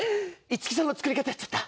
五木さんの作り方やっちゃった。